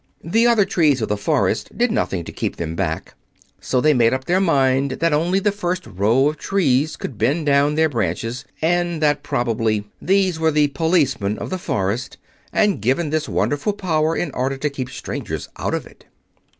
The other trees of the forest did nothing to keep them back, so they made up their minds that only the first row of trees could bend down their branches, and that probably these were the policemen of the forest, and given this wonderful power in order to keep strangers out of it.